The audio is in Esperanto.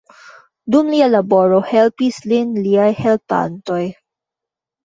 Dum lia laboro helpis lin liaj helpantoj.